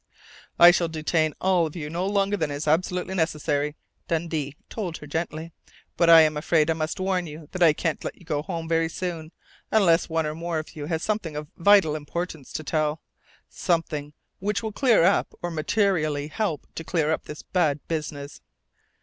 "I shall detain all of you no longer than is absolutely necessary," Dundee told her gently, "but I am afraid I must warn you that I can't let you go home very soon unless one or more of you has something of vital importance to tell something which will clear up or materially help to clear up this bad business."